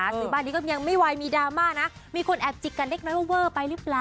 ซื้อบ้านนี้ก็ยังไม่ไหวมีดราม่านะมีคนแอบจิกกันเล็กน้อยว่าเวอร์ไปหรือเปล่า